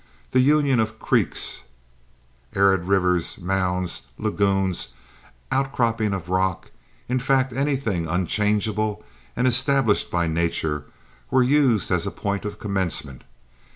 The union of creeks arid rivers, mounds, lagoons, outcropping of rock, in fact anything unchangeable and established by nature, were used as a point of commencement.